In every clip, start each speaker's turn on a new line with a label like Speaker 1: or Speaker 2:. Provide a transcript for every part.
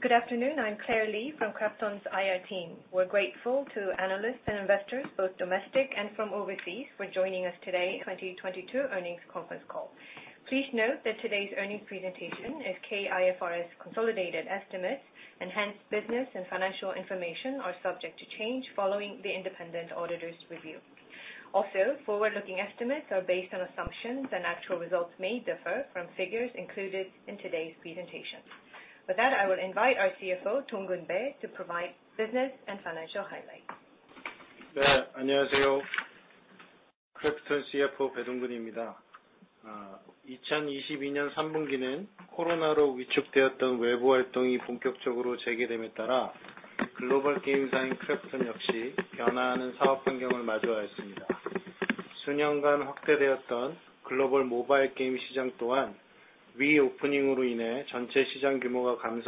Speaker 1: Good afternoon. I'm Claire Lee from KRAFTON's IR team. We're grateful to analysts and investors, both domestic and from overseas for joining us today, 2022 earnings conference call. Please note that today's earnings presentation is K-IFRS consolidated estimates, and hence business and financial information are subject to change following the independent auditor's review. Also, forward-looking estimates are based on assumptions, and actual results may differ from figures included in today's presentation. With that, I will invite our Chief Financial Officer, Dong-Keun Bae to provide business and financial highlights.
Speaker 2: Good afternoon. This is Chief Financial Officer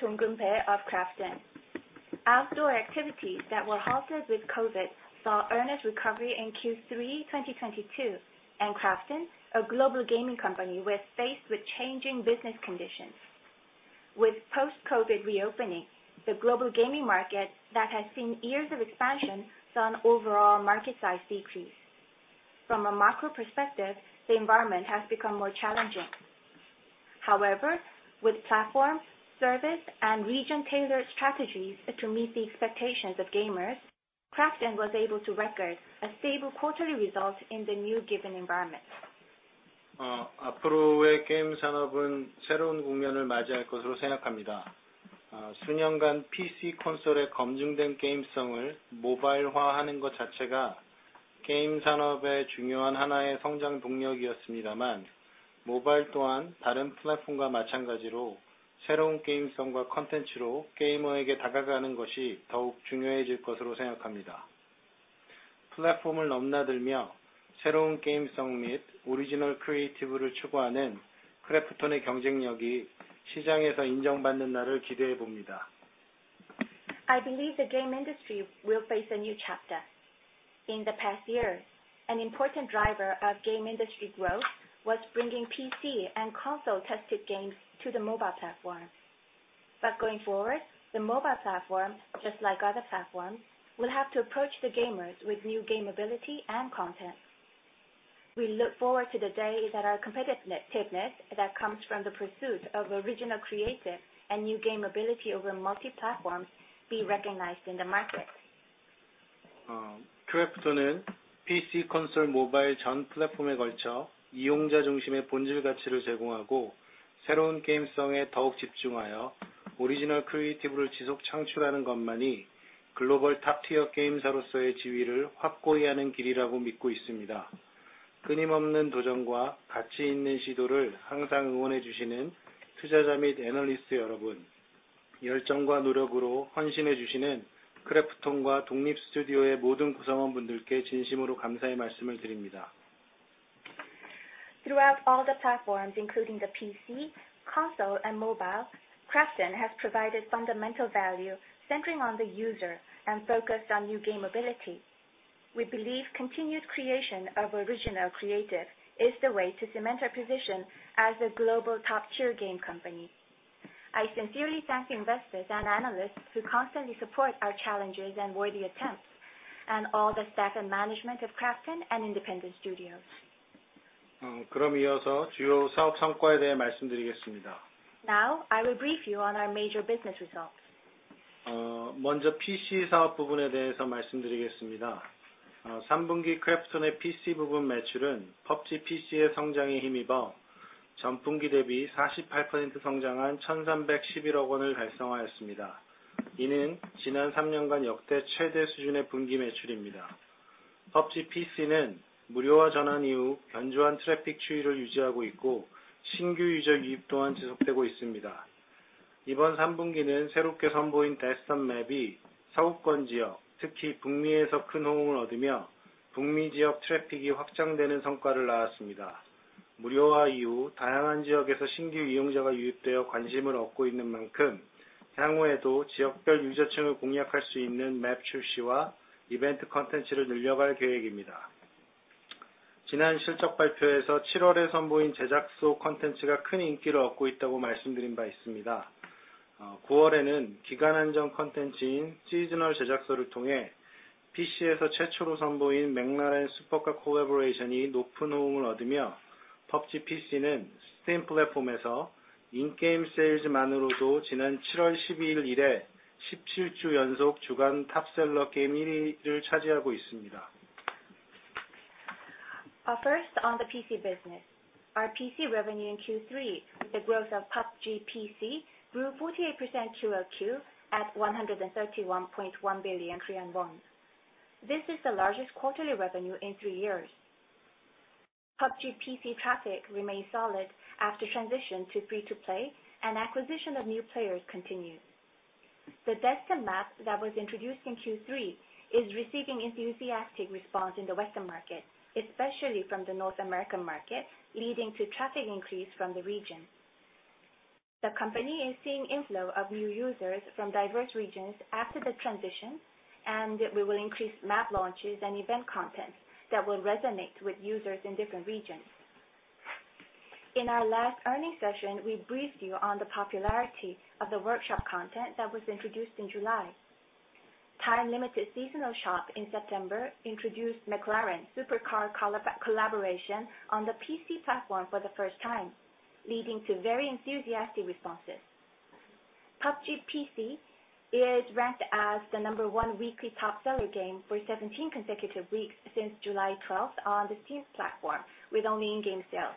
Speaker 2: Dong-Keun Bae of KRAFTON. Outdoor activities that were halted with COVID saw earnest recovery in Q3 2022, and KRAFTON, a global gaming company, was faced with changing business conditions. With post-COVID reopening, the global gaming market that has seen years of expansion, saw an overall market size decrease. From a macro perspective, the environment has become more challenging. However, with platform, service, and region-tailored strategies to meet the expectations of gamers, KRAFTON was able to record a stable quarterly result in the new given environment. I believe the game industry will face a new chapter. In the past years, an important driver of game industry growth was bringing PC and console-tested games to the mobile platform. Going forward, the mobile platform, just like other platforms, will have to approach the gamers with new game ability and content. We look forward to the day that our competitiveness that comes from the pursuit of original creative and new game ability over multi-platforms be recognized in the market. Throughout all the platforms, including the PC, console, and mobile, KRAFTON has provided fundamental value centering on the user and focused on new game ability. We believe continued creation of original creative is the way to cement our position as a global top tier game company. I sincerely thank investors and analysts who constantly support our challenges and worthy attempts, and all the staff and management of KRAFTON and independent studios. Now, I will brief you on our major business results. First, on the PC business, our PC revenue in Q3, with the growth of PUBG PC, grew 48% QOQ at 131.1 billion Korean won. This is the largest quarterly revenue in three years. PUBG PC traffic remains solid after transition to free-to-play, and acquisition of new players continue. The Deston map that was introduced in Q3 is receiving enthusiastic response in the western market, especially from the North American market, leading to traffic increase from the region. The company is seeing inflow of new users from diverse regions after the transition, and we will increase map launches and event content that will resonate with users in different regions. In our last earning session, we briefed you on the popularity of the workshop content that was introduced in July. Time-limited seasonal shop in September introduced McLaren supercar collaboration on the PC platform for the first time, leading to very enthusiastic responses. PUBG PC is ranked as the number one weekly top seller game for 17 consecutive weeks since July 12th on the Steam platform with only in-game sales.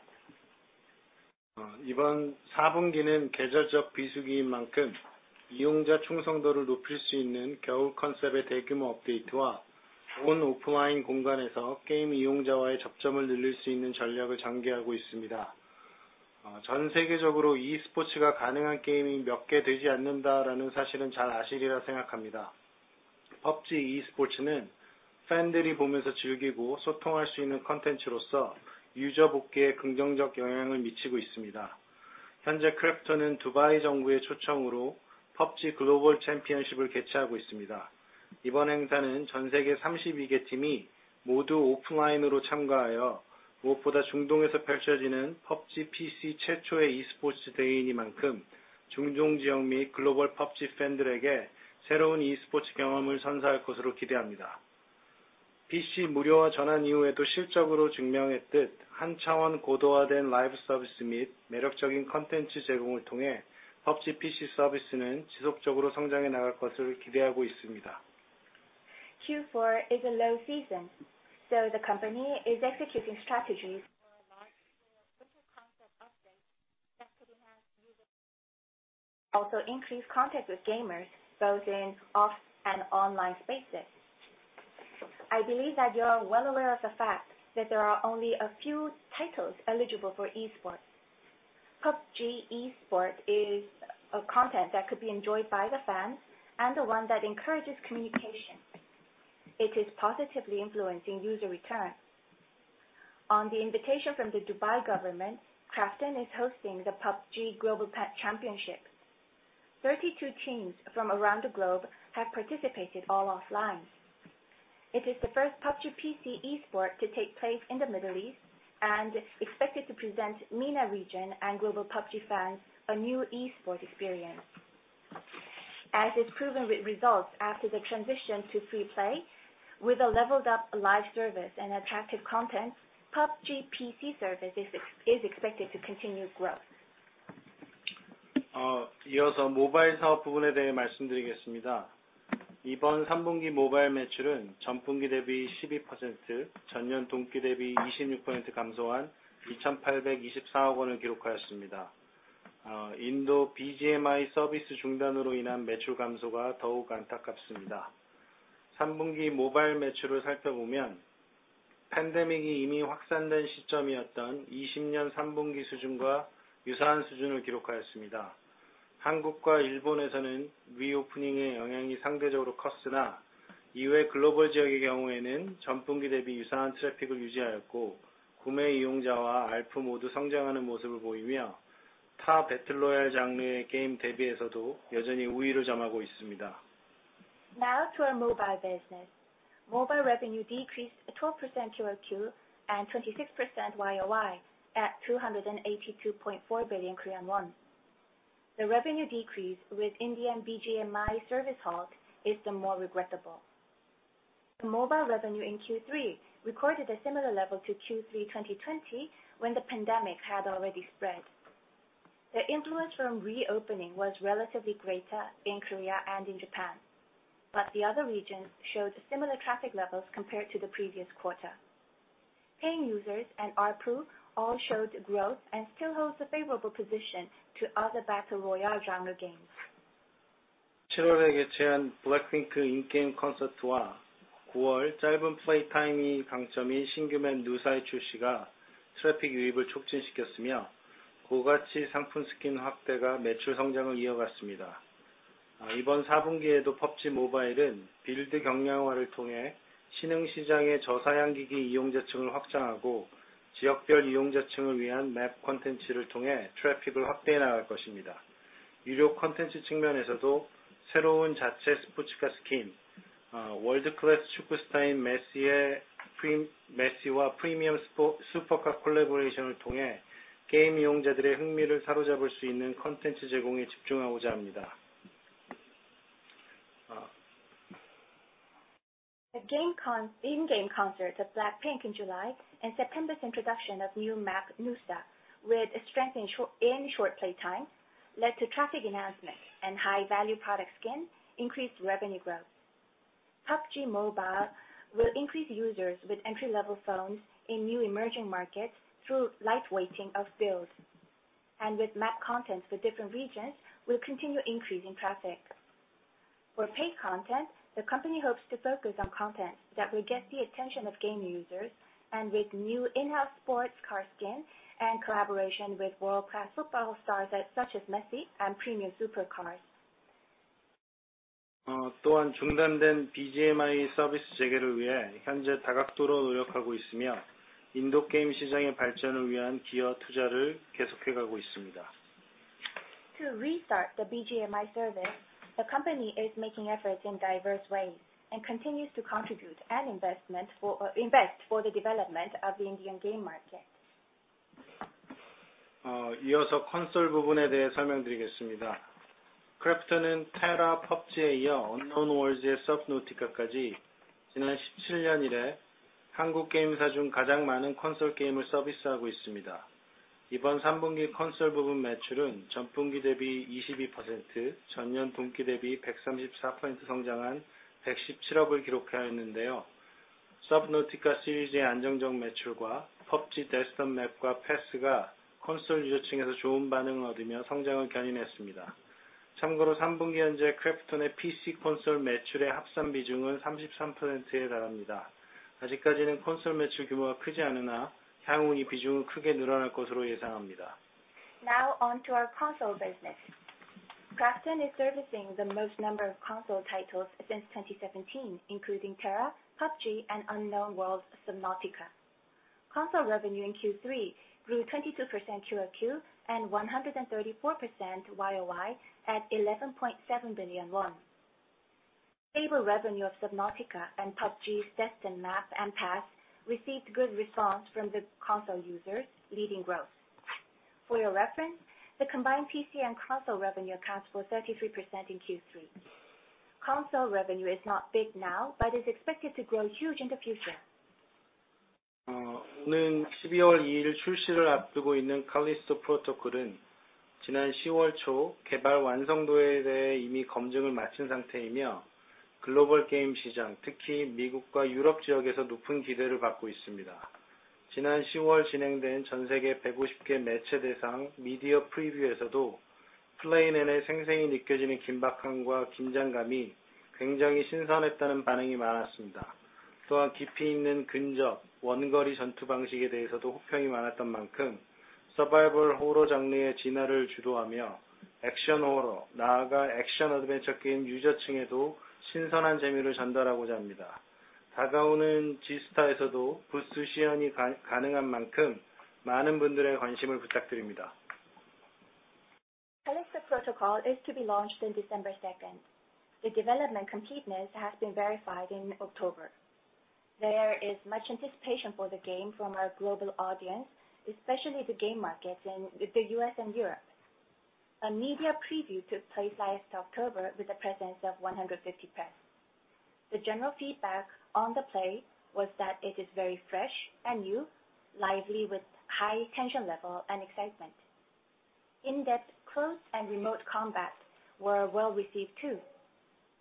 Speaker 2: Q4 is a low season, so the company is executing strategies for a large winter concept update that could enhance user, also increase contact with gamers both in offline and online spaces. I believe that you are well aware of the fact that there are only a few titles eligible for esports. PUBG Esports is a content that could be enjoyed by the fans and the one that encourages communication. It is positively influencing user return. On the invitation from the Dubai government, KRAFTON is hosting the PUBG Global Championship. 32 teams from around the globe have participated all offline. It is the first PUBG PC esports to take place in the Middle East and expected to present MENA region and global PUBG fans a new esports experience. As is proven with results after the transition to free play, with a leveled up live service and attractive content, PUBG PC service is expected to continue growth.
Speaker 3: Uh,
Speaker 2: Now to our mobile business. Mobile revenue decreased 12% QOQ and 26% YOY at 282.4 billion Korean won. The revenue decrease with Indian BGMI service halt is the more regrettable. Mobile revenue in Q3 recorded a similar level to Q3 2020, when the pandemic had already spread. The influence from reopening was relatively greater in Korea and in Japan, but the other regions showed similar traffic levels compared to the previous quarter. Paying users and ARPU all showed growth and still holds a favorable position to other battle royale genre games. The game in-game concert of Blackpink in July and September's introduction of new map Nusa with strength in short play time led to traffic enhancement and high value product skin increased revenue growth. PUBG Mobile will increase users with entry-level phones in new emerging markets through lightweighting of builds. With map content for different regions will continue increasing traffic. For paid content, the company hopes to focus on content that will get the attention of game users, and with new in-house sports car skin and collaboration with world-class football stars such as Messi and premium super cars.
Speaker 3: 또한 중단된 BGMI 서비스 재개를 위해 현재 다각도로 노력하고 있으며, 인도 게임 시장의 발전을 위한 기여 투자를 계속해 가고 있습니다.
Speaker 2: To restart the BGMI service, the company is making efforts in diverse ways and continues to contribute and invest for the development of the Indian game market.
Speaker 3: 이어서 콘솔 부분에 대해 설명드리겠습니다. 크래프톤은 TERA, PUBG에 이어 Unknown Worlds의 Subnautica까지 지난 17년 이래 한국 게임사 중 가장 많은 콘솔 게임을 서비스하고 있습니다. 이번 3분기 콘솔 부분 매출은 전 분기 대비 22%, 전년 동기 대비 134% 성장한 ₩117억을 기록하였는데요. Subnautica 시리즈의 안정적 매출과 PUBG: Deston Map과 Pass가 콘솔 유저층에서 좋은 반응을 얻으며 성장을 견인했습니다. 참고로 3분기 현재 크래프톤의 PC 콘솔 매출의 합산 비중은 33%에 달합니다. 아직까지는 콘솔 매출 규모가 크지 않으나 향후 이 비중은 크게 늘어날 것으로 예상합니다.
Speaker 2: Now on to our console business. KRAFTON is servicing the most number of console titles since 2017, including TERA, PUBG, and Unknown Worlds' Subnautica. Console revenue in Q3 grew 22% QOQ and 134% YOY at 11.7 billion won. Stable revenue of Subnautica and PUBG's Deston Map and Pass received good response from the console users, leading growth. For your reference, the combined PC and console revenue accounts for 33% in Q3. Console revenue is not big now, but is expected to grow huge in the future.
Speaker 3: 오는 12월 2일 출시를 앞두고 있는 The Callisto Protocol은 지난 10월 초 개발 완성도에 대해 이미 검증을 마친 상태이며, 글로벌 게임 시장, 특히 미국과 유럽 지역에서 높은 기대를 받고 있습니다. 지난 10월 진행된 전세계 150개 매체 대상 미디어 프리뷰에서도 플레이 내내 생생히 느껴지는 긴박함과 긴장감이 굉장히 신선했다는 반응이 많았습니다. 또한 깊이 있는 근접, 원거리 전투 방식에 대해서도 호평이 많았던 만큼, 서바이벌 호러 장르의 진화를 주도하며 액션 호러, 나아가 액션 어드벤처 게임 유저층에도 신선한 재미를 전달하고자 합니다. 다가오는 지스타에서도 부스 시연이 가능한 만큼 많은 분들의 관심을 부탁드립니다.
Speaker 2: Callisto Protocol is to be launched in December 2nd. The development completeness has been verified in October. There is much anticipation for the game from our global audience, especially the game markets in the US and Europe. A media preview took place last October with the presence of 150 press. The general feedback on the play was that it is very fresh and new, lively with high tension level and excitement. In-depth close and remote combats were well received too.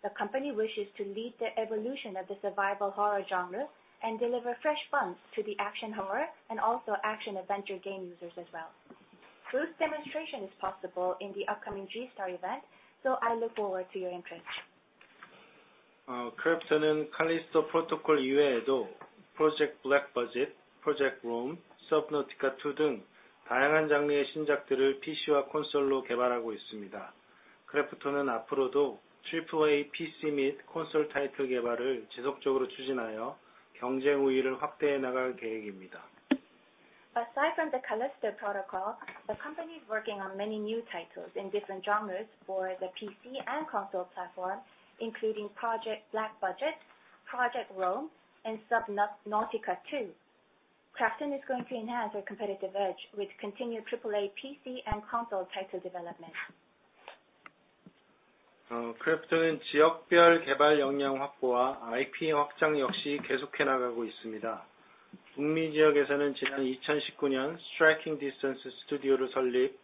Speaker 2: The company wishes to lead the evolution of the survival horror genre and deliver fresh fun to the action horror and also action adventure game users as well. Booth demonstration is possible in the upcoming G-Star event, so I look forward to your interest.
Speaker 3: 크래프톤은 The Callisto Protocol 이외에도 PUBG: Black Budget, Project Rome, Subnautica 2등 다양한 장르의 신작들을 PC와 콘솔로 개발하고 있습니다. 크래프톤은 앞으로도 Triple-A PC 및 콘솔 타이틀 개발을 지속적으로 추진하여 경쟁 우위를 확대해 나갈 계획입니다.
Speaker 2: Aside from The Callisto Protocol, the company is working on many new titles in different genres for the PC and console platform, including PUBG: Black Budget, Project Rome, and Subnautica 2. KRAFTON is going to enhance their competitive edge with continued Triple-A PC and console title development.
Speaker 3: 크래프톤은 지역별 개발 역량 확보와 IP 확장 역시 계속해 나가고 있습니다. 북미 지역에서는 지난 2019년 Striking Distance Studios를 설립,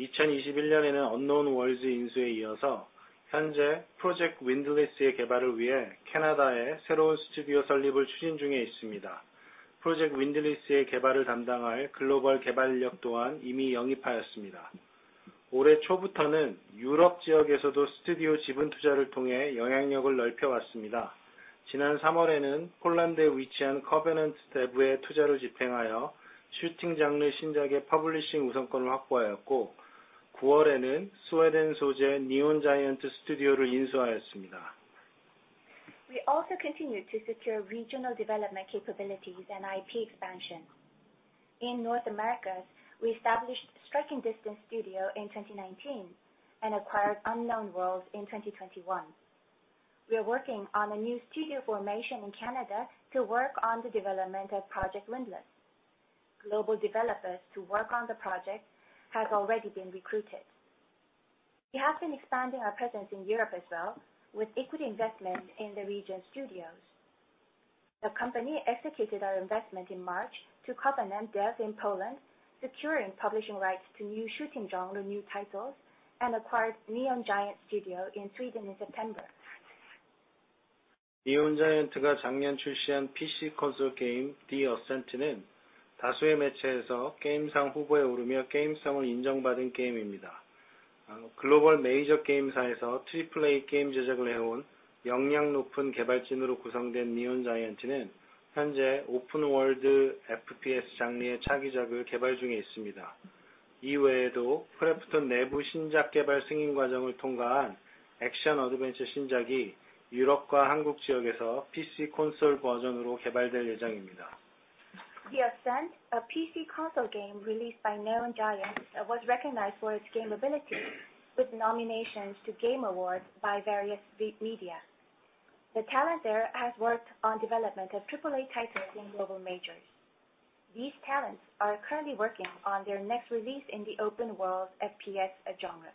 Speaker 3: 2021년에는 Unknown Worlds 인수에 이어서 현재 Project Windless의 개발을 위해 캐나다에 새로운 스튜디오 설립을 추진 중에 있습니다. Project Windless의 개발을 담당할 글로벌 개발 인력 또한 이미 영입하였습니다. 올해 초부터는 유럽 지역에서도 스튜디오 지분 투자를 통해 영향력을 넓혀 왔습니다. 지난 3월에는 폴란드에 위치한 Covenant.dev에 투자를 집행하여 슈팅 장르 신작의 퍼블리싱 우선권을 확보하였고, 9월에는 스웨덴 소재 Neon Giant를 인수하였습니다.
Speaker 2: We also continue to secure regional development capabilities and IP expansion. In North America, we established Striking Distance Studios in 2019 and acquired Unknown Worlds in 2021. We are working on a new studio formation in Canada to work on the development of Project Windless. Global developers to work on the project has already been recruited. We have been expanding our presence in Europe as well, with equity investment in the region studios. The company executed our investment in March to Covenant.dev in Poland, securing publishing rights to new shooting genre new titles, and acquired Neon Giant in Sweden in September.
Speaker 3: Neon Giant가 작년 출시한 PC 콘솔 게임 The Ascent는 다수의 매체에서 게임상 후보에 오르며 게임성을 인정받은 게임입니다. 글로벌 메이저 게임사에서 Triple-A 게임 제작을 해온 역량 높은 개발진으로 구성된 Neon Giant는 현재 오픈월드 FPS 장르의 차기작을 개발 중에 있습니다. 이외에도 크래프톤 내부 신작 개발 승인 과정을 통과한 액션 어드벤처 신작이 유럽과 한국 지역에서 PC 콘솔 버전으로 개발될 예정입니다.
Speaker 2: The Ascent, a PC console game released by Neon Giant, was recognized for its gameplay with nominations to game awards by various media. The talent there has worked on development of Triple-A titles in global majors. These talents are currently working on their next release in the open world FPS genre.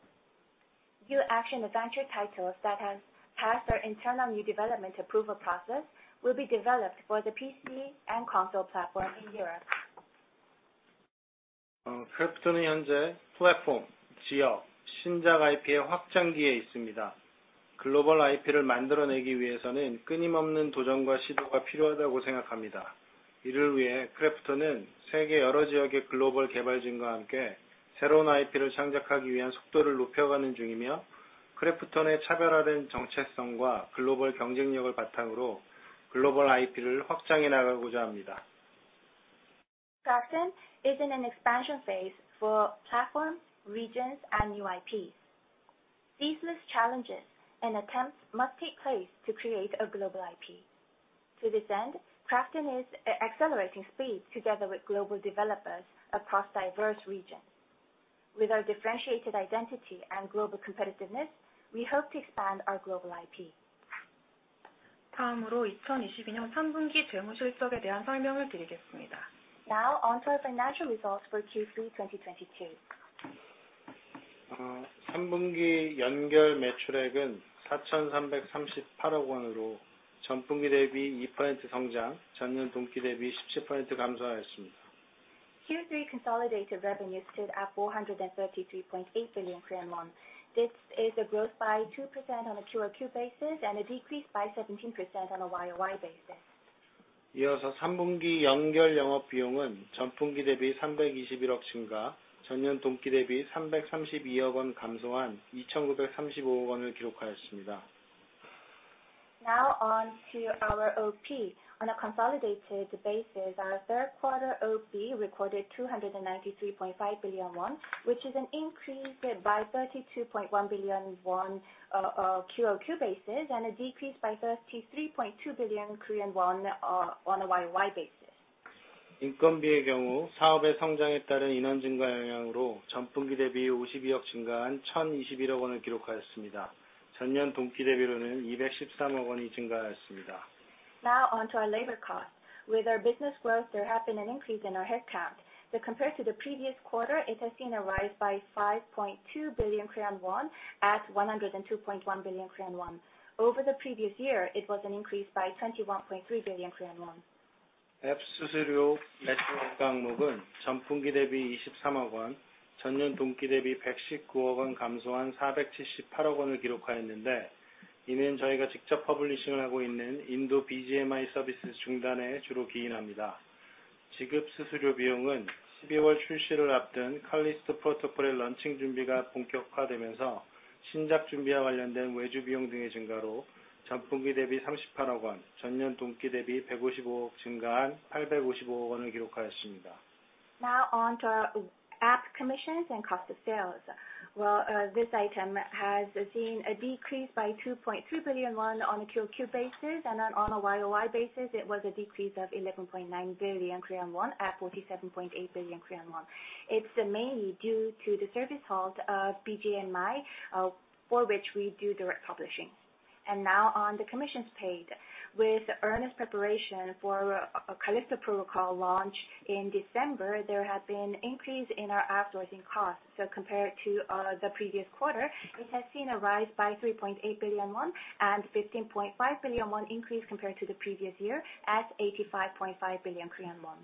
Speaker 2: New action-adventure titles that have passed our internal new development approval process will be developed for the PC and console platform in Europe.
Speaker 3: 크래프톤은 현재 플랫폼, 지역, 신작 IP의 확장기에 있습니다. 글로벌 IP를 만들어내기 위해서는 끊임없는 도전과 시도가 필요하다고 생각합니다. 이를 위해 크래프톤은 세계 여러 지역의 글로벌 개발진과 함께 새로운 IP를 창작하기 위한 속도를 높여가는 중이며, 크래프톤의 차별화된 정체성과 글로벌 경쟁력을 바탕으로 글로벌 IP를 확장해 나가고자 합니다.
Speaker 2: KRAFTON is in an expansion phase for platforms, regions, and new IPs. Ceaseless challenges and attempts must take place to create a global IP. To this end, KRAFTON is accelerating speeds together with global developers across diverse regions. With our differentiated identity and global competitiveness, we hope to expand our global IP.
Speaker 4: 다음으로 2022년 3분기 재무실적에 대한 설명을 드리겠습니다.
Speaker 2: Now on to our financial results for Q3 2022.
Speaker 3: 3분기 연결 매출액은 4,338억원으로 전분기 대비 2% 성장, 전년 동기 대비 17% 감소하였습니다.
Speaker 2: Q3 consolidated revenues stood at 433.8 billion Korean won. This is a growth by 2% on a QOQ basis, and a decrease by 17% on a YOY basis.
Speaker 3: 이어서 3분기 연결 영업비용은 전분기 대비 321억 증가, 전년 동기 대비 332억원 감소한 2,935억원을 기록하였습니다.
Speaker 2: Now on to our OP. On a consolidated basis, our third quarter OP recorded 293.5 billion won, which is an increase by 32.1 billion won QOQ basis, and a decrease by 33.2 billion Korean won on a YOY basis.
Speaker 3: 인건비의 경우 사업의 성장에 따른 인원 증가 영향으로 전분기 대비 52억 증가한 1,021억원을 기록하였습니다. 전년 동기 대비로는 213억원이 증가하였습니다.
Speaker 2: Now on to our labor costs. With our business growth, there have been an increase in our headcount. Compared to the previous quarter, it has seen a rise by 5.2 billion Korean won at 102.1 billion Korean won. Over the previous year, it was an increase by 21.3 billion Korean won.
Speaker 3: 앱 수수료 매출액 항목은 전분기 대비 23억원, 전년 동기 대비 119억원 감소한 478억원을 기록하였는데, 이는 저희가 직접 퍼블리싱을 하고 있는 인도 BGMI 서비스 중단에 주로 기인합니다. 지급 수수료 비용은 12월 출시를 앞둔 칼리스토 프로토콜의 런칭 준비가 본격화되면서 신작 준비와 관련된 외주 비용 등의 증가로 전분기 대비 38억원, 전년 동기 대비 155억원 증가한 855억원을 기록하였습니다.
Speaker 2: Now on to our app commissions and cost of sales. Well, this item has seen a decrease by 2.3 billion won on a QOQ basis, and then on a YOY basis, it was a decrease of 11.9 billion Korean won at 47.8 billion Korean won. It's mainly due to the service halt of BGMI for which we do direct publishing. Now on the commissions paid. With earnest preparation for a The Callisto Protocol launch in December, there had been increase in our outsourcing costs. Compared to the previous quarter, it has seen a rise by 3.8 billion won and 15.5 billion won increase compared to the previous year at 85.5 billion Korean won.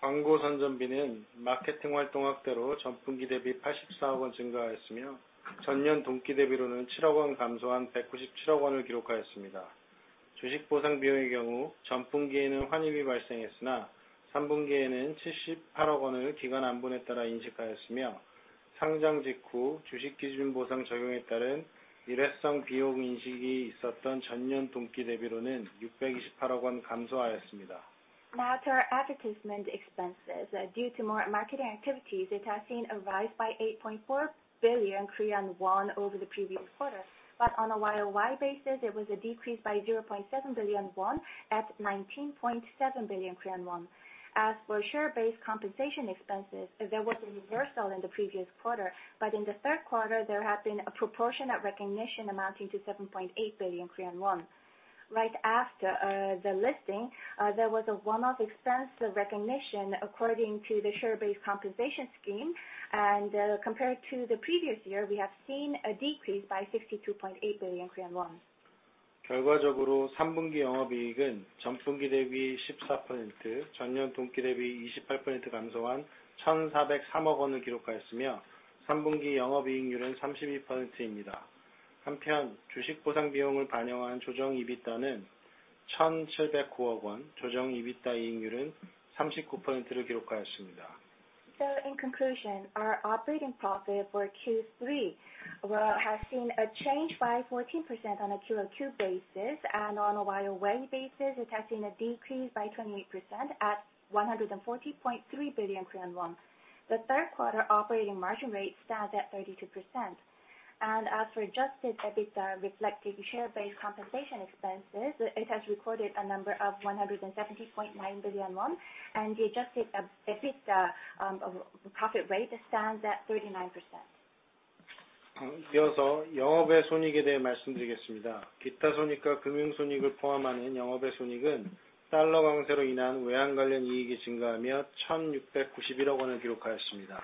Speaker 3: 광고 선전비는 마케팅 활동 확대로 전분기 대비 84억원 증가하였으며, 전년 동기 대비로는 7억원 감소한 197억원을 기록하였습니다. 주식 보상 비용의 경우 전분기에는 환입이 발생했으나, 3분기에는 78억원을 기간 안분에 따라 인식하였으며, 상장 직후 주식 기준 보상 적용에 따른 일회성 비용 인식이 있었던 전년 동기 대비로는 628억원 감소하였습니다.
Speaker 2: Now to our advertisement expenses. Due to more marketing activities, it has seen a rise by 8.4 billion Korean won over the previous quarter. On a YOY basis, it was a decrease by 0.7 billion won at 19.7 billion Korean won. As for share-based compensation expenses, there was a reversal in the previous quarter, but in the third quarter, there had been a proportionate recognition amounting to 7.8 billion Korean won. Right after the listing, there was a one-off expense recognition according to the share-based compensation scheme. Compared to the previous year, we have seen a decrease by 62.8 billion Korean won.
Speaker 3: 결과적으로 3분기 영업이익은 전분기 대비 14%, 전년 동기 대비 28% 감소한 1,403억원을 기록하였으며, 3분기 영업이익률은 32%입니다. 한편, 주식 보상 비용을 반영한 조정 EBITDA는 1,709억원, 조정 EBITDA 이익률은 39%를 기록하였습니다.
Speaker 2: In conclusion, our operating profit for Q3 has seen a change by 14% on a QOQ basis. On a YOY basis, it has seen a decrease by 28% at 140.3 billion Korean won. The third quarter operating margin rate stands at 32%. As for adjusted EBITDA reflecting share-based compensation expenses, it has recorded a number of 170.9 billion won, and the adjusted EBIT of profit rate stands at 39%.
Speaker 3: 이어서 영업외 손익에 대해 말씀드리겠습니다. 기타 손익과 금융 손익을 포함하는 영업외 손익은 달러 강세로 인한 외환 관련 이익이 증가하며 1,691억 원을 기록하였습니다.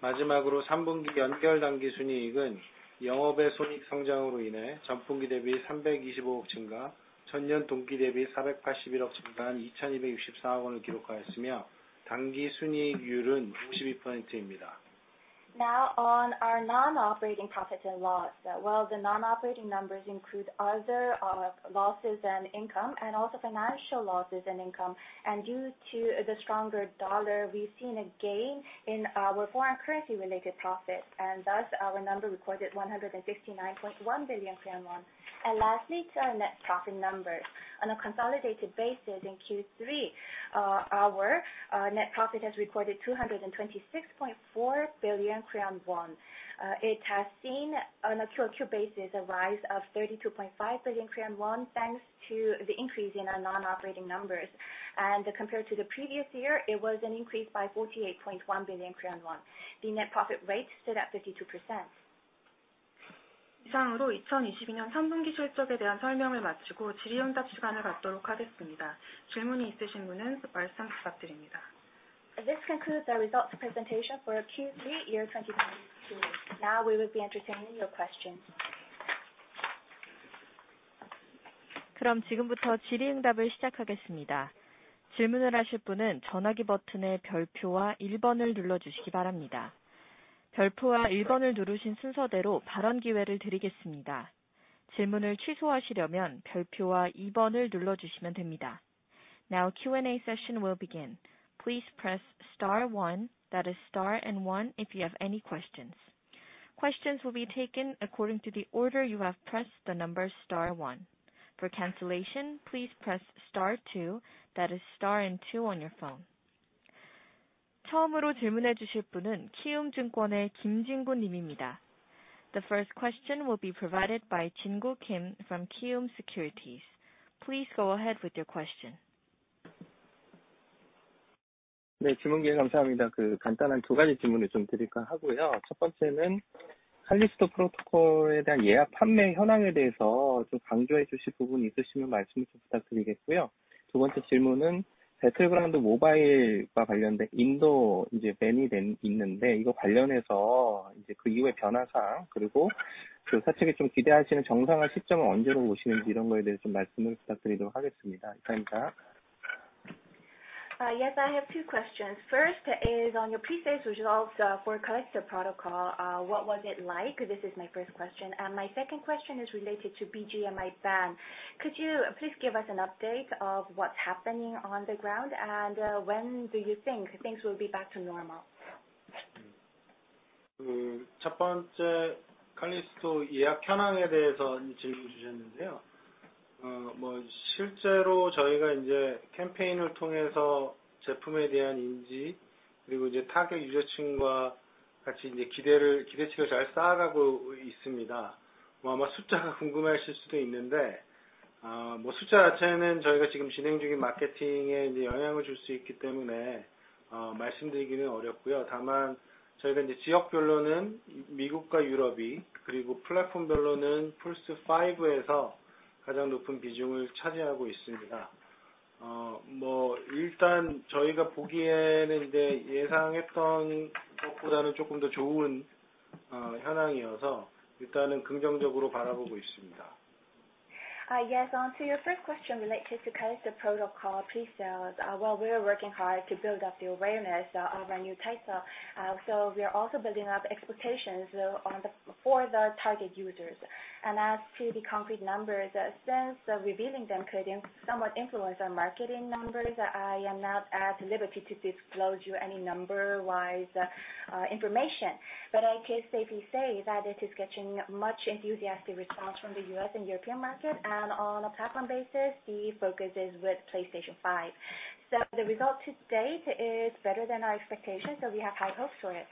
Speaker 3: 마지막으로 3분기 연결당기순이익은 영업외 손익 성장으로 인해 전분기 대비 325억 증가, 전년 동기 대비 481억 증가한 2,264억 원을 기록하였으며, 당기순이익률은 62%입니다.
Speaker 2: Now on our non-operating profit and loss. Well, the non-operating numbers include other, losses and income and also financial losses and income. Due to the stronger dollar, we've seen a gain in our foreign currency related profits, and thus our number recorded 159.1 billion Korean won. Lastly, to our net profit numbers. On a consolidated basis in Q3, our net profit has recorded KRW 226.4 billion. It has seen on a Q-over-Q basis, a rise of KRW 32.5 billion, thanks to the increase in our non-operating numbers. Compared to the previous year, it was an increase by 48.1 billion. The net profit rate stood at 52%.
Speaker 4: 이상으로 2022년 3분기 실적에 대한 설명을 마치고 질의응답 시간을 갖도록 하겠습니다. 질문이 있으신 분은 말씀 부탁드립니다.
Speaker 2: This concludes our results presentation for Q3 2022. Now we will be entertaining your questions.
Speaker 4: 그럼 지금부터 질의응답을 시작하겠습니다. 질문을 하실 분은 전화기 버튼의 별표와 일 번을 눌러주시기 바랍니다. 별표와 일 번을 누르신 순서대로 발언 기회를 드리겠습니다. 질문을 취소하시려면 별표와 이 번을 눌러주시면 됩니다.
Speaker 2: Now Q&A session will begin. Please press star one, that is star and one, if you have any questions. Questions will be taken according to the order you have pressed the number star one. For cancellation, please press star two, that is star and two on your phone.
Speaker 4: 처음으로 질문해 주실 분은 키움증권의 김진구 님입니다.
Speaker 2: The first question will be provided by Kim Jin-gu from Kiwoom Securities. Please go ahead with your question.
Speaker 5: 네, 질문 기회 감사합니다. 간단한 두 가지 질문을 좀 드릴까 하고요. 첫 번째는 칼리스토 프로토콜에 대한 예약 판매 현황에 대해서 좀 말씀 부탁드리겠고요. 두 번째 질문은 배틀그라운드 모바일과 관련된 인도 ban이 된 건인데, 이거 관련해서 그 이후의 변화사항, 그리고 사측이 기대하시는 정상화 시점은 언제로 보시는지 이런 거에 대해서 말씀 부탁드리도록 하겠습니다. 감사합니다.
Speaker 2: Yes, I have two questions. First is on your presales for Callisto Protocol. What was it like? This is my first question. My second question is related to BGMI ban. Could you please give us an update of what's happening on the ground and when do you think things will be back to normal?
Speaker 3: 첫 번째 칼리스토 예약 현황에 대해서 질문 주셨는데요. 실제로 저희가 이제 캠페인을 통해서 제품에 대한 인지, 그리고 이제 타겟 유저층과 같이 이제 기대치를 잘 쌓아가고 있습니다. 숫자가 궁금하실 수도 있는데, 숫자 자체는 저희가 지금 진행 중인 마케팅에 이제 영향을 줄수 있기 때문에, 말씀드리기는 어렵고요. 다만 저희가 이제 지역별로는 미국과 유럽이, 그리고 플랫폼별로는 PlayStation 5에서 가장 높은 비중을 차지하고 있습니다. 일단 저희가 보기에는 이제 예상했던 것보다는 조금 더 좋은 현황이어서 일단은 긍정적으로 바라보고 있습니다.
Speaker 2: Yes. On to your first question related to Callisto Protocol presales, well, we are working hard to build up the awareness of our new title. We are also building up expectations for the target users. As to the concrete numbers, since revealing them could somewhat influence our marketing numbers, I am not at liberty to disclose to you any number-wise information. I can safely say that it is getting much enthusiastic response from the U.S. and European market, and on a platform basis, the focus is with PlayStation 5. The result to date is better than our expectations, so we have high hopes for it.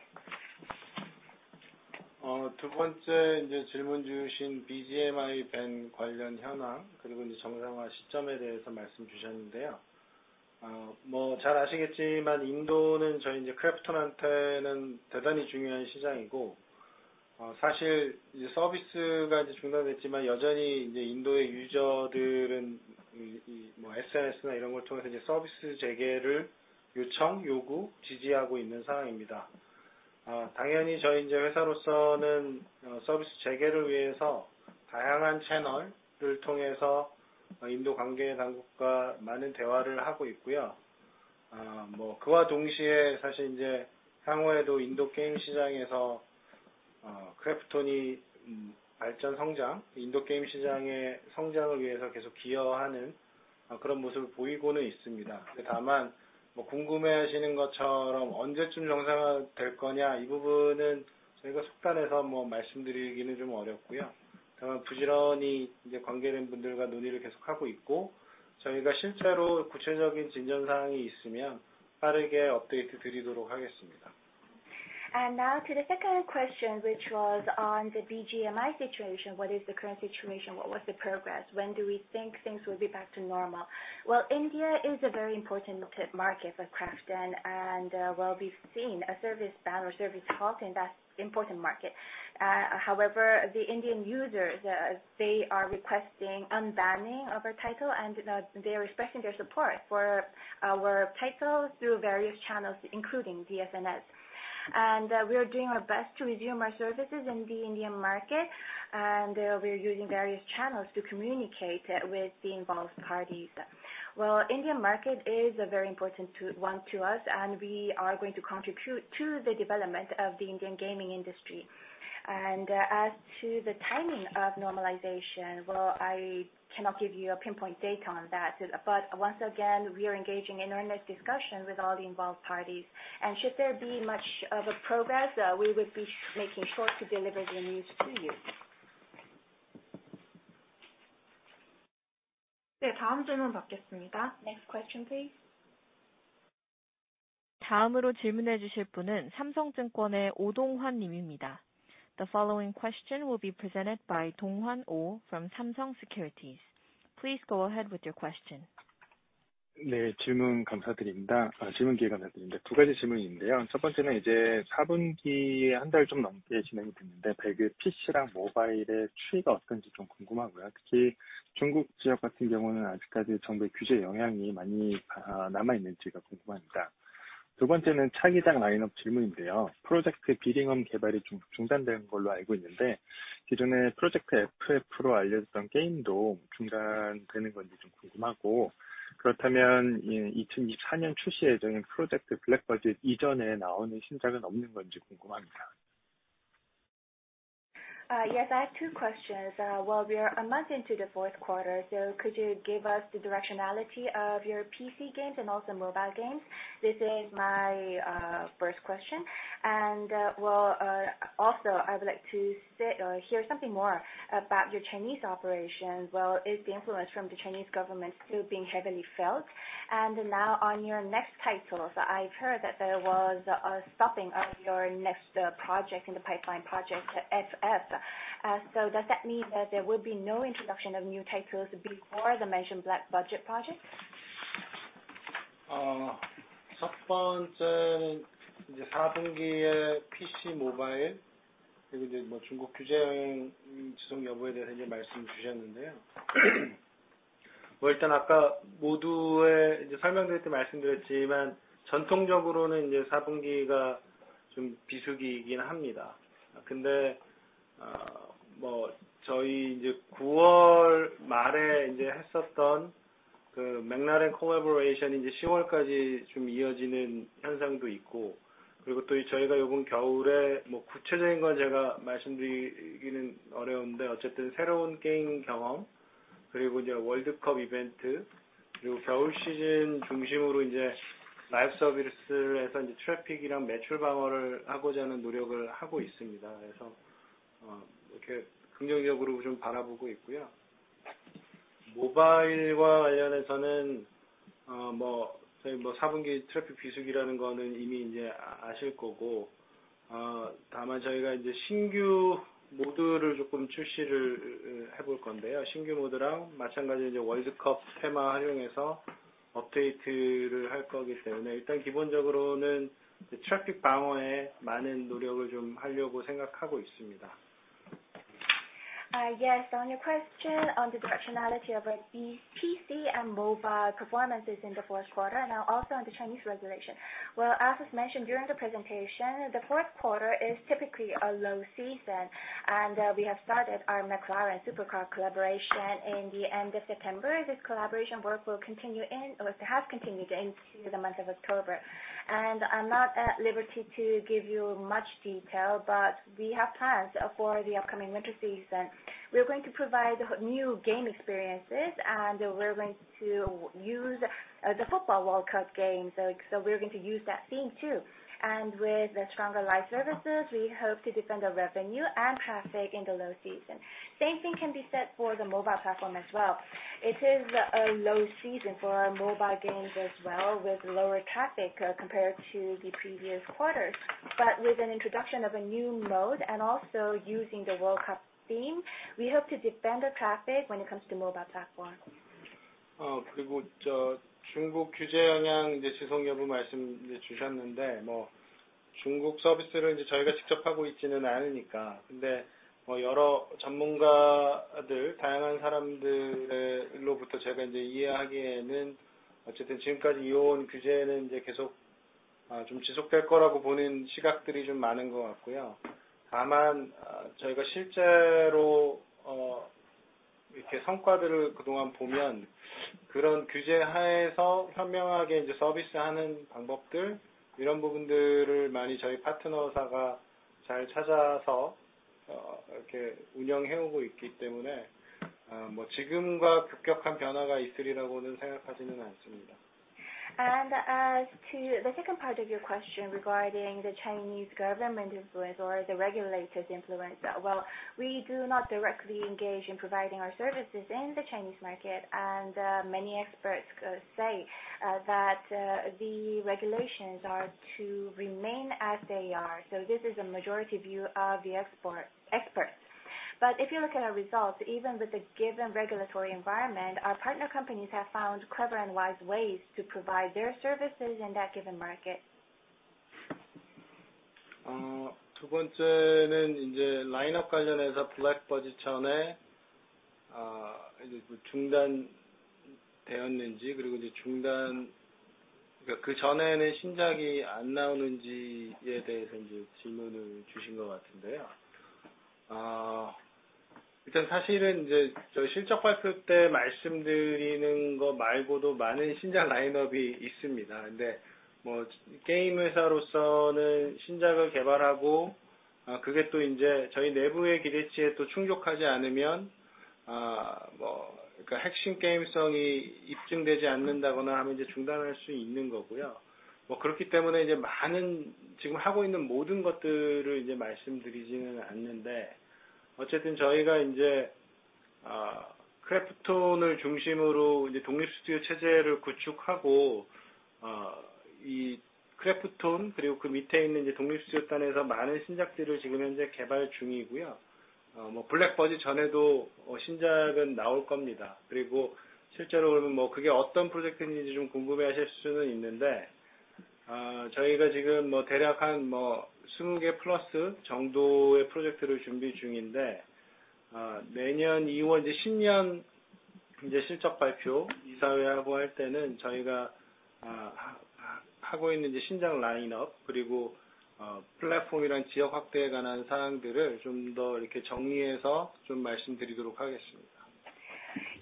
Speaker 3: 두 번째 질문 주신 BGMI ban 관련 현황, 그리고 정상화 시점에 대해서 말씀 주셨는데요. 잘 아시겠지만 인도는 저희 크래프톤한테는 대단히 중요한 시장이고, 사실 서비스가 중단됐지만 여전히 인도의 유저들은 SNS나 이런 걸 통해서 서비스 재개를 요청, 요구, 지지하고 있는 상황입니다. 당연히 저희 회사로서는 서비스 재개를 위해서 다양한 채널을 통해서 인도 관계당국과 많은 대화를 하고 있고요. 그와 동시에 사실 향후에도 인도 게임 시장에서 크래프톤이 발전 성장, 인도 게임 시장의 성장을 위해서 계속 기여하는 그런 모습을 보이고는 있습니다. 다만 궁금해하시는 것처럼 언제쯤 정상화될 거냐, 이 부분은 저희가 속단해서 말씀드리기는 좀 어렵고요. 다만 부지런히 관계된 분들과 논의를 계속하고 있고, 저희가 실제로 구체적인 진전 사항이 있으면 빠르게 업데이트 드리도록 하겠습니다.
Speaker 2: Now to the second question, which was on the BGMI situation, what is the current situation? What was the progress? When do we think things will be back to normal? Well, India is a very important market for KRAFTON and, well, we've seen a service ban or service halt in that important market. However, the Indian users, they are requesting unbanning of our title, and, they are expressing their support for our titles through various channels, including the SNS. We are doing our best to resume our services in the Indian market, and we are using various channels to communicate with the involved parties. Well, Indian market is a very important one to us, and we are going to contribute to the development of the Indian gaming industry. As to the timing of normalization, well, I cannot give you a pinpoint date on that. Once again, we are engaging in earnest discussion with all the involved parties. Should there be much of a progress, we will be making sure to deliver the news to you.
Speaker 3: 네, 다음 질문 받겠습니다.
Speaker 2: Next question, please.
Speaker 4: 다음으로 질문해 주실 분은 삼성증권의 오동환 님입니다.
Speaker 2: The following question will be presented by Dong-hwan Oh from Samsung Securities. Please go ahead with your question.
Speaker 6: 네, 질문 감사드립니다. 두 가지 질문인데요. 첫 번째는 이제 사분기 한달좀 넘게 진행이 됐는데 배그 PC랑 모바일의 추이가 어떤지 좀 궁금하고요. 특히 중국 지역 같은 경우는 아직까지 정부의 규제 영향이 많이 남아 있는지가 궁금합니다. 두 번째는 차기작 라인업 질문인데요. Project Windless 개발이 중단된 걸로 알고 있는데 기존에 Project FF로 알려졌던 게임도 중단되는 건지 좀 궁금하고, 그렇다면 2024년 출시 예정인 PUBG: Black Budget 이전에 나오는 신작은 없는 건지 궁금합니다.
Speaker 2: Yes, I have two questions. We are a month into the fourth quarter, so could you give us the directionality of your PC games and also mobile games? This is my first question. Also, I would like to say or hear something more about your Chinese operations. Is the influence from the Chinese government still being heavily felt? Now on your next titles, I've heard that there was a stopping of your next project in the pipeline, Project FF. Does that mean that there will be no introduction of new titles before the mentioned Black Budget project?
Speaker 3: 첫 번째는 사분기에 PC, 모바일 그리고 중국 규제 영향 지속 여부에 대해서 말씀해 주셨는데요. 일단 아까 모두에 설명드릴 때 말씀드렸지만 전통적으로는 사분기가 좀 비수기이긴 합니다. 근데 저희 구월 말에 했었던 그 McLaren collaboration이 십월까지 좀 이어지는 현상도 있고, 그리고 또 저희가 요번 겨울에 뭐 구체적인 건 제가 말씀드리기는 어려운데 어쨌든 새로운 게임 경험 그리고 월드컵 이벤트 그리고 겨울 시즌 중심으로 라이브 서비스를 해서 트래픽이랑 매출 방어를 하고자 하는 노력을 하고 있습니다. 이렇게 긍정적으로 좀 바라보고 있고요. 모바일과 관련해서는 사분기 트래픽 비수기라는 거는 이미 아실 거고, 다만 저희가 신규 모드를 조금 출시해볼 건데요. 신규 모드랑 마찬가지로 월드컵 테마 활용해서 업데이트를 할 거기 때문에 일단 기본적으로는 트래픽 방어에 많은 노력을 좀 하려고 생각하고 있습니다.
Speaker 2: Yes. On your question on the directionality of our PC and mobile performances in the fourth quarter, and now also on the Chinese regulation. Well, as was mentioned during the presentation, the fourth quarter is typically a low season, and we have started our McLaren supercar collaboration in the end of September. This collaboration work will continue in or has continued into the month of October. I'm not at liberty to give you much detail, but we have plans for the upcoming winter season. We are going to provide new game experiences, and we're going to use the Football World Cup games. So we're going to use that theme too. With stronger live services, we hope to defend our revenue and traffic in the low season. Same thing can be said for the mobile platform as well. It is a low season for our mobile games as well, with lower traffic, compared to the previous quarters. With an introduction of a new mode and also using the World Cup theme, we hope to defend our traffic when it comes to mobile platform.
Speaker 3: 중국 규제 영향 지속 여부 말씀해 주셨는데, 중국 서비스를 저희가 직접 하고 있지는 않으니까요. 여러 전문가들, 다양한 사람들로부터 제가 이해하기에는 어쨌든 지금까지 이어온 규제는 계속 좀 지속될 거라고 보는 시각들이 좀 많은 것 같고요. 다만, 저희가 실제로 이렇게 성과들을 그동안 보면 그런 규제 하에서 현명하게 서비스하는 방법들, 이런 부분들을 많이 저희 파트너사가 잘 찾아서 이렇게 운영해 오고 있기 때문에, 지금과 급격한 변화가 있으리라고는 생각하지는 않습니다.
Speaker 2: As to the second part of your question regarding the Chinese government influence or the regulators influence, well, we do not directly engage in providing our services in the Chinese market. Many experts say that the regulations are to remain as they are. This is a majority view of the export experts. If you look at our results, even with the given regulatory environment, our partner companies have found clever and wise ways to provide their services in that given market.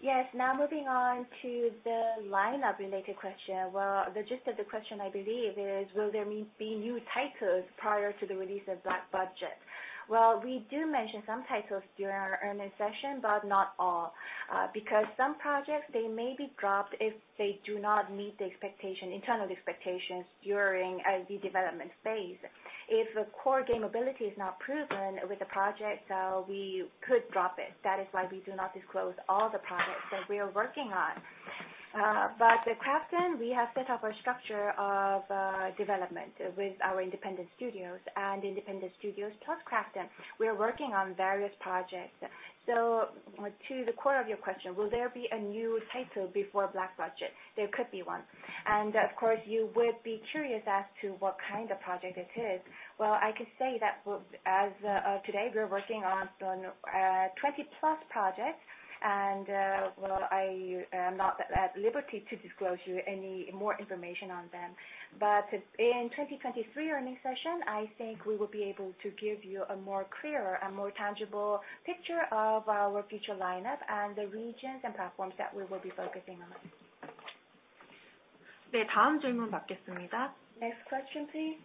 Speaker 2: Yes. Now moving on to the lineup related question. Well, the gist of the question, I believe, is will there be new titles prior to the release of Black Budget? Well, we do mention some titles during our earnings session, but not all, because some projects, they may be dropped if they do not meet the expectation, internal expectations during the development phase. If a core game ability is not proven with the project, we could drop it. That is why we do not disclose all the projects that we are working on. But at KRAFTON, we have set up a structure of development with our independent studios and independent studios plus KRAFTON. We are working on various projects. To the core of your question, will there be a new title before Black Budget? There could be one. Of course, you would be curious as to what kind of project it is. Well, I could say that as of today, we are working on 20+ projects. I am not at liberty to disclose you any more information on them. In 2023 earnings session, I think we will be able to give you a more clearer and more tangible picture of our future lineup and the regions and platforms that we will be focusing on. Next question, please.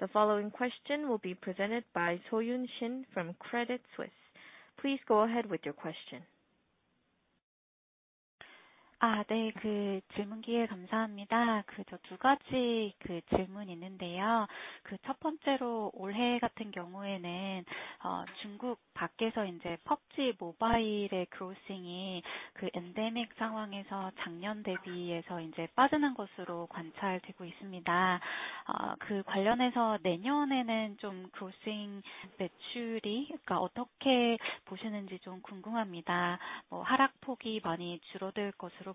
Speaker 2: The following question will be presented by Soyun Shin from Credit Suisse. Please go ahead with your question.
Speaker 7: Uh,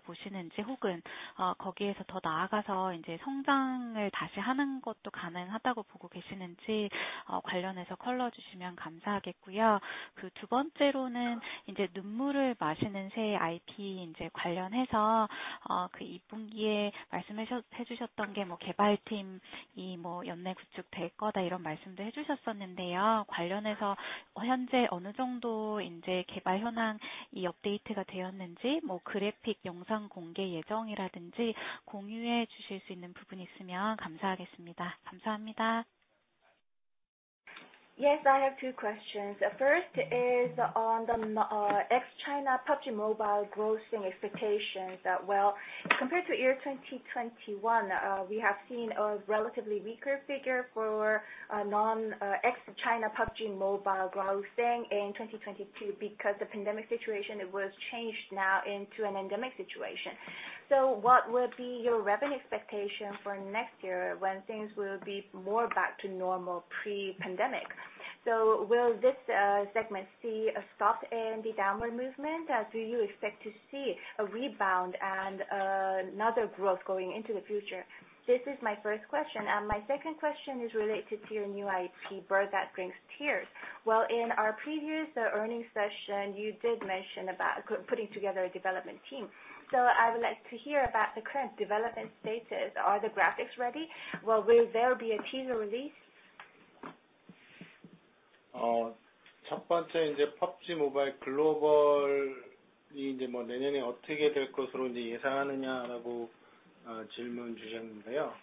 Speaker 2: Yes, I have two questions. First is on the ex-China PUBG Mobile grossing expectations. Well, compared to year 2021, we have seen a relatively weaker figure for non ex-China PUBG Mobile grossing in 2022 because the pandemic situation, it was changed now into an endemic situation. What will be your revenue expectation for next year when things will be more back to normal pre-pandemic? Will this segment see a stop in the downward movement? Do you expect to see a rebound and another growth going into the future? This is my first question. My second question is related to your new IP, The Bird That Drinks Tears. Well, in our previous earnings session, you did mention about putting together a development team. I would like to hear about the current development status. Are the graphics ready? Well, will there be a teaser release?
Speaker 3: Uh, 내년에 어떻게 될 것으로 예상하느냐라고 질문 주셨는데요.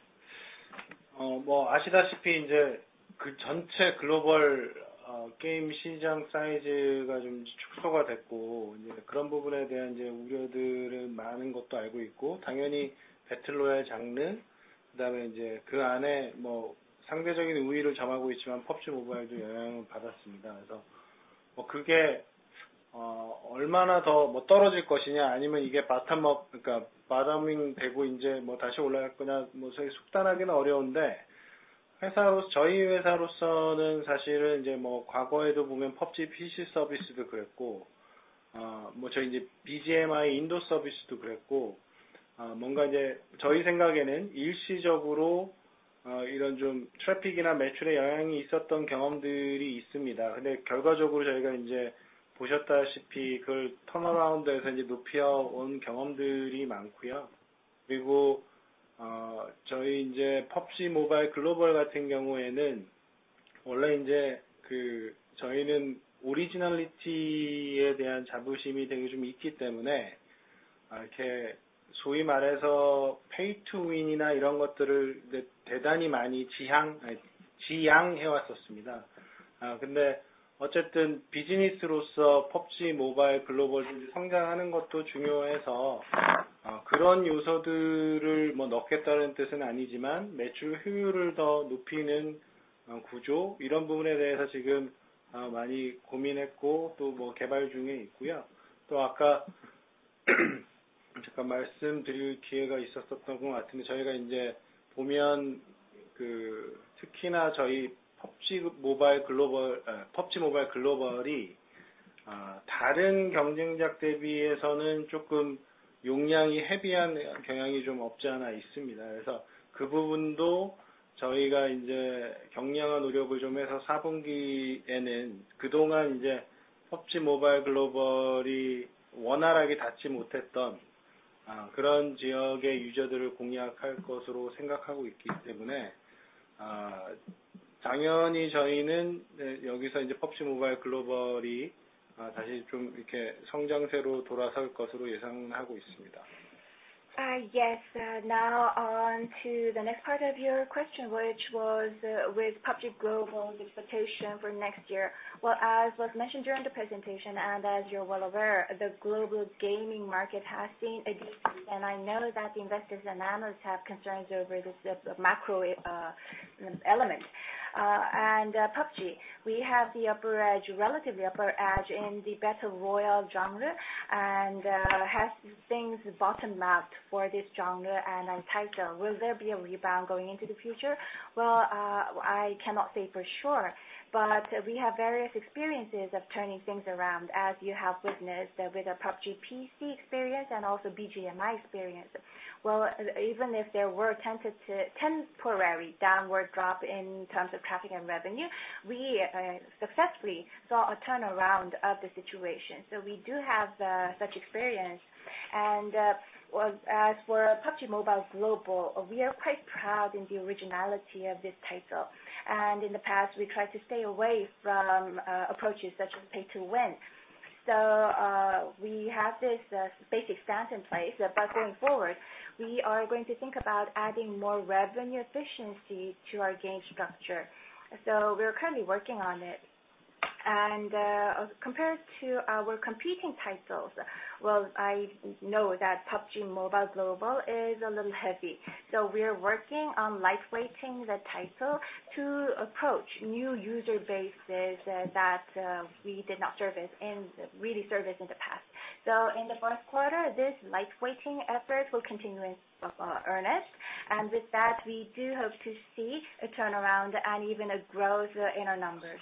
Speaker 3: 아시다시피 전체 글로벌 게임 시장 사이즈가 좀 축소가 됐고, 그런 부분에 대한 우려들은 많은 것도 알고 있고, 당연히 배틀로얄 장르, 그다음에 그 안에 상대적인 우위를 점하고 있지만 PUBG 모바일도 영향을 받았습니다. 그래서 그게 얼마나 더 떨어질 것이냐, 아니면 이게 바닥이 되고 다시 올라갈 거냐, 속단하기는 어려운데, 저희 회사로서는 사실은 과거에도 보면 PUBG PC 서비스도 그랬고, 저희 BGMI 인도 서비스도 그랬고, 저희 생각에는 일시적으로 이런 좀 트래픽이나 매출에 영향이 있었던 경험들이 있습니다. 근데 결과적으로 저희가 보셨다시피 그걸 턴어라운드 해서 높여 온 경험들이 많고요. 저희 PUBG 모바일 글로벌 같은 경우에는 원래 저희는 오리지널리티에 대한 자부심이 되게 좀 있기 때문에, 소위 말해서 pay-to-win이나 이런 것들을 이제 대단히 많이 지양해 왔었습니다. 어쨌든 비즈니스로서 PUBG 모바일 글로벌이 성장하는 것도 중요해서, 그런 요소들을 넣겠다는 뜻은 아니지만, 매출 효율을 더 높이는 구조 이런 부분에 대해서 지금 많이 고민했고, 또 개발 중에 있고요. 또 아까 잠깐 말씀드릴 기회가 있었던 것 같은데, 저희가 이제 보면 특히나 저희 PUBG 모바일 글로벌이 다른 경쟁작 대비해서는 조금 용량이 헤비한 경향이 좀 없지 않아 있습니다. 그래서 그 부분도 저희가 이제 경량화 노력을 좀 해서, 4분기에는 그동안 PUBG 모바일 글로벌이 원활하게 닿지 못했던 그런 지역의 유저들을 공략할 것으로 생각하고 있기 때문에, 당연히 저희는 여기서 이제 PUBG 모바일 글로벌이 다시 좀 이렇게 성장세로 돌아설 것으로 예상하고 있습니다.
Speaker 2: Yes, now on to the next part of your question, which was with PUBG Global's expectation for next year. As was mentioned during the presentation, and as you're well aware, the global gaming market has seen a deep, and I know that investors and analysts have concerns over this macro element. PUBG, we have the upper edge, relative upper edge in the battle royale genre and has things bottomed out for this genre and title. Will there be a rebound going into the future? I cannot say for sure, but we have various experiences of turning things around as you have witnessed with our PUBG PC experience and also BGMI experience. Even if there were a temporary downward drop in terms of traffic and revenue, we successfully saw a turnaround of the situation. We do have such experience. As for PUBG Mobile Global, we are quite proud in the originality of this title. In the past, we tried to stay away from approaches such as pay-to-win. We have this basic stance in place, but going forward, we are going to think about adding more revenue efficiency to our game structure. We are currently working on it. Compared to our competing titles, I know that PUBG Mobile Global is a little heavy, so we are working on lightweighting the title to approach new user bases that we did not really service in the past. In the first quarter, this lightweighting effort will continue in earnest. With that, we do hope to see a turnaround and even a growth in our numbers.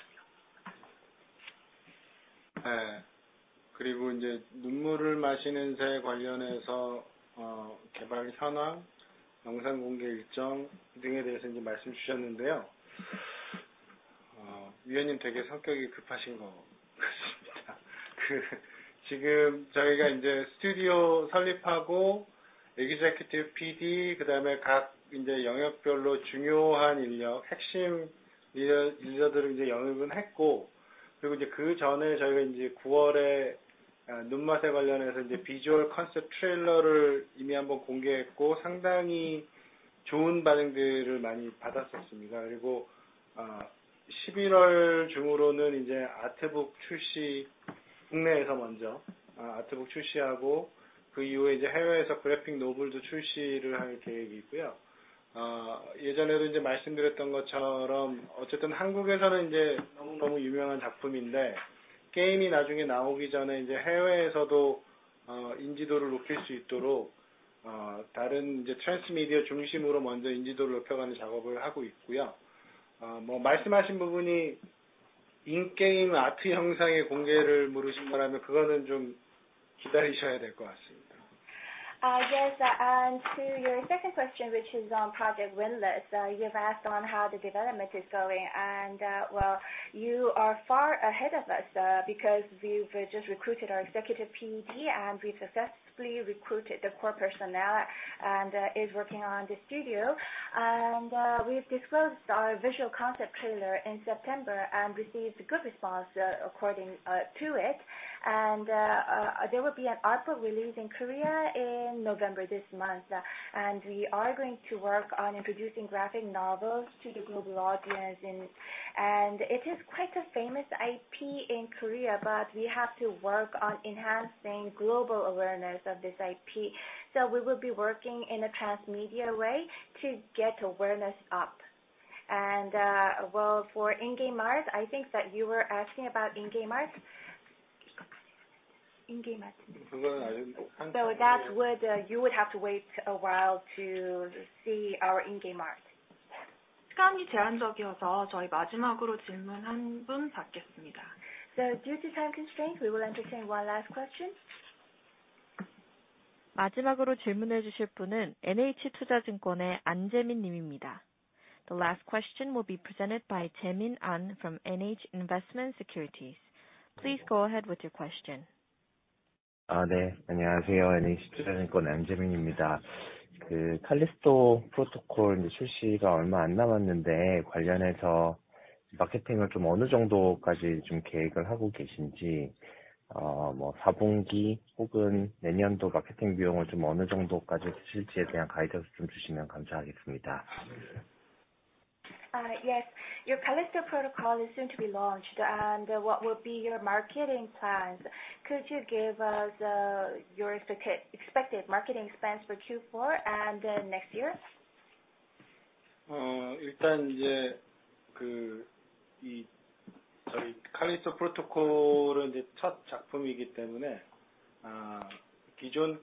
Speaker 3: 눈물을 마시는 새 관련해서 개발 현황, 영상 공개 일정 등에 대해서 말씀 주셨는데요. 위원님 되게 성격이 급하신 것 같습니다. 지금 저희가 스튜디오 설립하고 Executive PD, 그다음에 각 영역별로 중요한 인력, 핵심 인력, 인재들을 영입은 했고, 그 전에 저희가 9월에 눈물을 마시는 새 관련해서 비주얼 컨셉 트레일러를 이미 한번 공개했고, 상당히 좋은 반응들을 많이 받았었습니다. 11월 중으로는 아트북 출시, 국내에서 먼저 아트북 출시하고, 그 이후에 해외에서 그래픽 노블도 출시를 할 계획이 있고요. 예전에도 말씀드렸던 것처럼 어쨌든 한국에서는 너무 유명한 작품인데, 게임이 나중에 나오기 전에 해외에서도 인지도를 높일 수 있도록 다른 transmedia 중심으로 먼저 인지도를 높여가는 작업을 하고 있고요. 말씀하신 부분이 인게임 아트 영상의 공개를 물으신 거라면 그거는 좀 기다리셔야 될것 같습니다.
Speaker 2: Yes, to your second question, which is on Project Windless, you've asked on how the development is going, well, you are far ahead of us, because we've just recruited our Executive PD, and we successfully recruited the core personnel and is working on the studio. We've disclosed our visual concept trailer in September and received good response, according to it. There will be an update release in Korea in November this month. We are going to work on introducing graphic novels to the global audience. It is quite a famous IP in Korea, but we have to work on enhancing global awareness of this IP. We will be working in a transmedia way to get awareness up. Well, for in-game art, I think that you were asking about in-game art. In-game art. You would have to wait a while to see our in-game art. Due to time constraints, we will entertain one last question. The last question will be presented by Jae-min Ahn from NH Investment & Securities. Please go ahead with your question. Yes. Yes. The Callisto Protocol is soon to be launched. What will be your marketing plans? Could you give us your expected marketing expense for Q4 and then next year?
Speaker 3: Uh,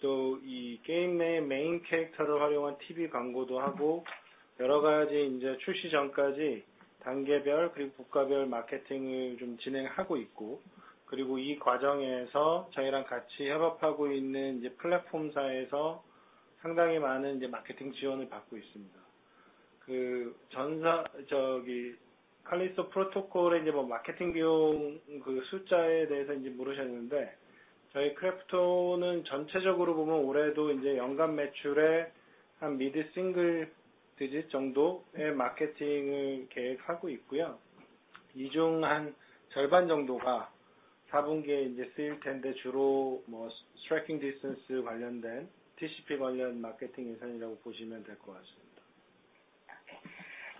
Speaker 2: Okay.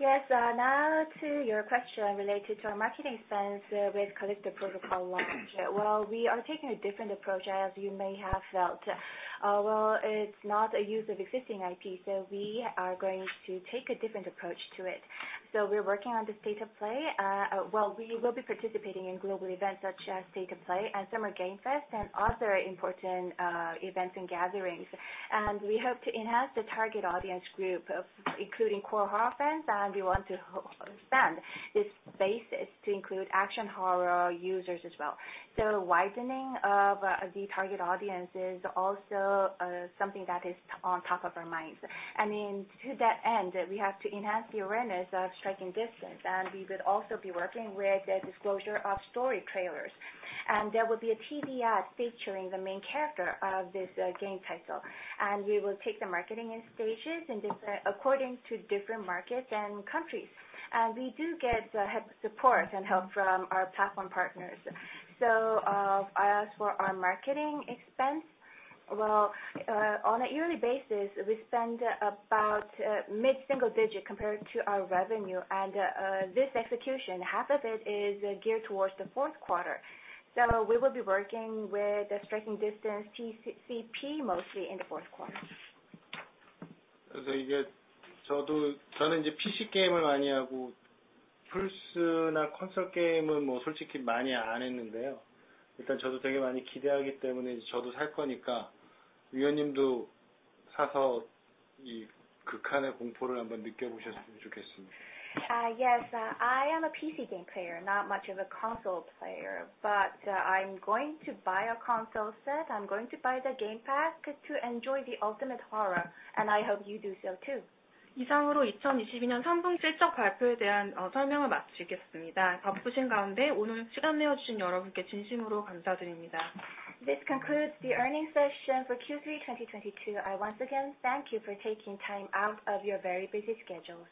Speaker 2: Yes, now to your question related to our marketing expense with Callisto Protocol launch. Well, we are taking a different approach, as you may have felt. Well, it's not a use of existing IP, so we are going to take a different approach to it. We're working on the State of Play. Well, we will be participating in global events such as State of Play and Summer Game Fest and other important events and gatherings. We hope to enhance the target audience group, including core horror fans, and we want to expand this basis to include action horror users as well. Widening of the target audience is also something that is on top of our minds. I mean, to that end, we have to enhance the awareness of Striking Distance, and we will also be working with the disclosure of story trailers. There will be a TV ad featuring the main character of this game title. We will take the marketing in stages and according to different markets and countries. We do get support and help from our platform partners. As for our marketing expense, on a yearly basis, we spend about mid-single digit compared to our revenue. This execution, half of it is geared towards the fourth quarter. We will be working with Striking Distance The Callisto Protocol mostly in the fourth quarter. Yes, I am a PC game player, not much of a console player. I'm going to buy a console set. I'm going to buy the game pack to enjoy the ultimate horror, and I hope you do so too. This concludes the earnings session for Q3 2022. I once again thank you for taking time out of your very busy schedules.